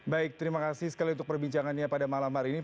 baik terima kasih sekali untuk perbincangannya pada malam hari ini